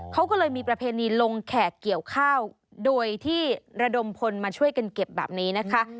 เขาก็เลยมีประเพณีลงแขกเกี่ยวข้าวโดยที่ระดมพลมาช่วยกันเก็บแบบนี้นะคะ